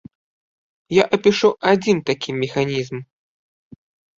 Я апішу адзін такі механізм.